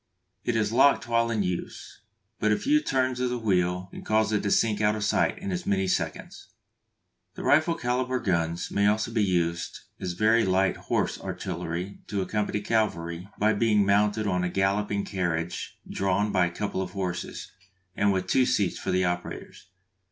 It is locked while in use, but a few turns of the wheel cause it to sink out of sight in as many seconds. The rifle calibre guns may also be used as very light horse artillery to accompany cavalry by being mounted on a "galloping carriage" drawn by a couple of horses, and with two seats for the operators.